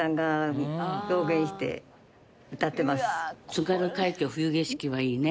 『津軽海峡・冬景色』はいいね。